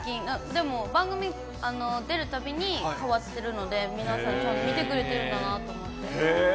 でも、番組出るたびに変わっているので、皆さん見てくれているんだなと思って。